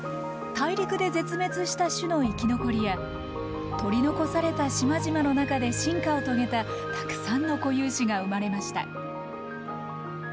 大陸で絶滅した種の生き残りや取り残された島々の中で進化を遂げたたくさんの固有種が生まれました。